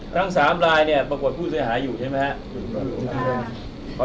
ทั้ง๓ลายเนี่ยปรากฏผู้เสียหายอยู่ใช่ไหมครับ